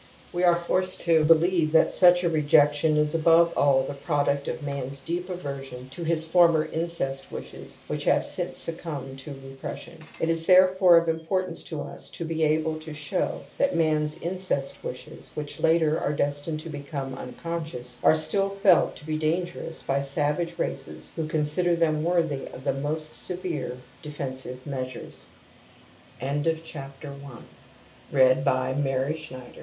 We are forced to believe that such a rejection is above all the product of man's deep aversion to his former incest wishes which have since suc cumbed to repression, f It is therefore of im portance to us to be able to show thalnnan's in cest wishes, which later are destined to become unconscious, are still felt to be dangerous by savage races who consider them worthy of the most severe defensive measure